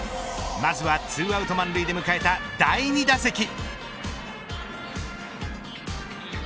まずは２アウト満塁で迎えた第２打席。